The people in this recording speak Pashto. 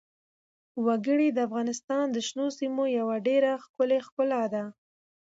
وګړي د افغانستان د شنو سیمو یوه ډېره ښکلې ښکلا ده.